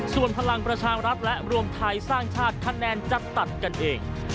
ส่วนพลังประชารัฐและรวมไทยสร้างชาติคะแนนจะตัดกันเอง